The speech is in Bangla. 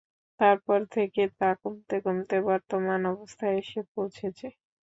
তারপর থেকে তা কমতে কমতে বর্তমান অবস্থায় এসে পৌঁছেছে।